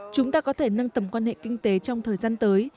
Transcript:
chúng ta có thể nâng tầm quan hệ kinh tế trong thời gian tới